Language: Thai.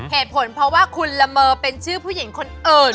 เหตุผลเพราะว่าคุณละเมอเป็นชื่อผู้หญิงคนอื่น